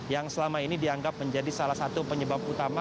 yang selama ini dianggap menjadi salah satu penyebab utama